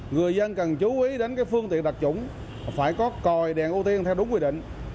người dân cần chú ý đến phương tiện đặc trủng phải có còi đèn ưu tiên theo đúng quy định